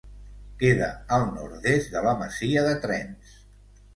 Queda al nord-est de la masia de Trens.